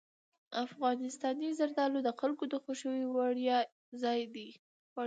افغانستان کې زردالو د خلکو د خوښې وړ یو ځای دی.